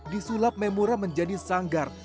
disulap memura menjadi sanggar